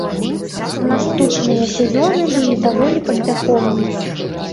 Наступныя сезоны былі даволі паспяховымі.